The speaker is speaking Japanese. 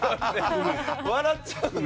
笑っちゃうんで。